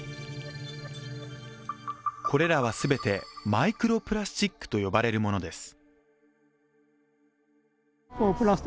これらは全てマイクロプラスチックと呼ばれるものです。